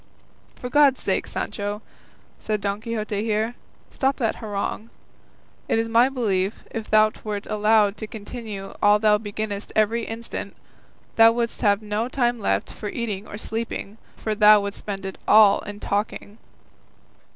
"For God's sake, Sancho," said Don Quixote here, "stop that harangue; it is my belief, if thou wert allowed to continue all thou beginnest every instant, thou wouldst have no time left for eating or sleeping; for thou wouldst spend it all in talking."